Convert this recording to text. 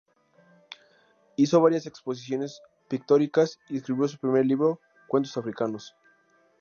Hizo varias exposiciones pictóricas y escribió su primer libro, "Cuentos Africanos".